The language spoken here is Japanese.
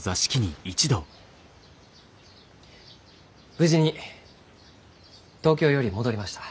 無事に東京より戻りました。